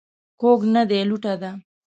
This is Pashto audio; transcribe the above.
کوږ نه دى ، لوټه ده.